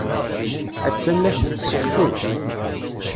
Attan la tettett seksu.